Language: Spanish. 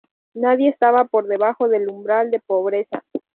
Nadie estaba por debajo del umbral de pobreza.